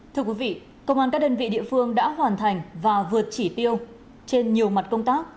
thưa quý vị công an các đơn vị địa phương đã hoàn thành và vượt chỉ tiêu trên nhiều mặt công tác